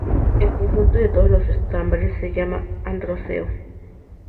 El conjunto de todos los estambres se llama androceo.